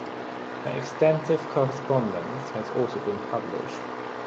Her extensive correspondence has also been published.